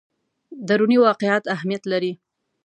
دروني واقعیت اهمیت لري.